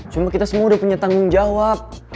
cuma kita semua udah punya tanggung jawab